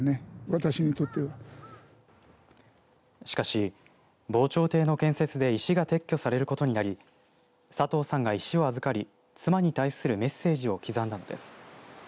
しかし防潮堤の建設で石が撤去されることになり佐藤さんが石を預かり妻に対するメッセージを刻んだのです。